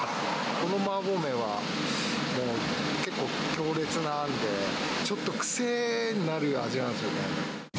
この麻婆麺は、結構強烈なんで、ちょっと癖になる味なんですよね。